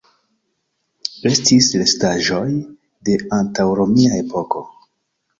Estis restaĵoj de antaŭromia epoko.